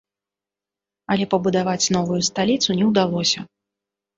Але пабудаваць новую сталіцу не ўдалося.